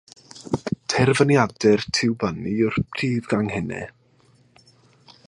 Terfyniadau'r tiwbynnau yw'r prif ganghennau.